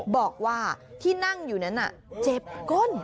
บอกว่าที่นั่งอยู่นั้นเจ็บก้น